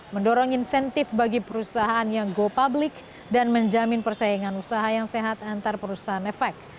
mendorong insentif bagi perusahaan yang go public dan menjamin persaingan usaha yang sehat antar perusahaan efek